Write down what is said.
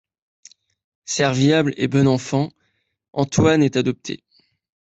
Serviable et bon enfant, Antoine est adopté.